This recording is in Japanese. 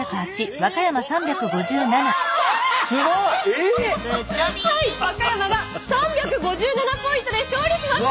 和歌山が３５７ポイントで勝利しました！